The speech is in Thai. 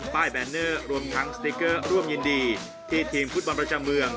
แบนเนอร์รวมทั้งสติ๊กเกอร์ร่วมยินดีที่ทีมฟุตบอลประจำเมือง